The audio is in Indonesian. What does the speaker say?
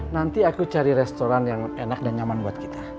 nanti aku cari restoran yang enak dan nyaman buat kita